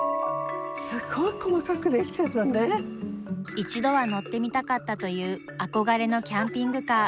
一度は乗ってみたかったという憧れのキャンピングカー。